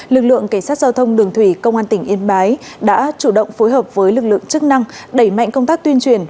lực lượng cảnh sát giao thông đường thủy công an tỉnh yên bái đã chủ động phối hợp với lực lượng chức năng đẩy mạnh công tác tuyên truyền